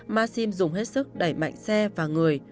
maxim dùng hết sức đẩy mạnh xe và người